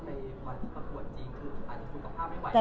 มันประสงค์ต่อจริงคืออาจจะพูดกับภาพไม่ไหว